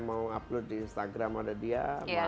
mau upload di instagram ada dia